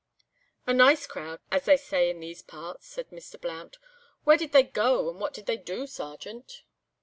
'" "A nice crowd, as they say in these parts," said Mr. Blount. "Where did they go and what did they do, Sergeant?"